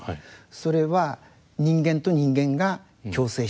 それは人間と人間が共生している。